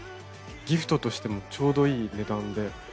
ギフトとしてもちょうどいい値段で。